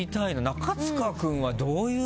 中務君は、どういう？